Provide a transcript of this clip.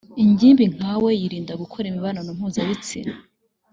ingimbi nkawe yiirinda gukora imibonano mpuzabitsina .